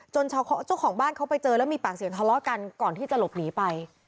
เจ้าของบ้านเขาไปเจอแล้วมีปากเสียงทะเลาะกันก่อนที่จะหลบหนีไป